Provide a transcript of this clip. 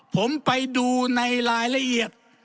ผมไปดูในรายละเอียด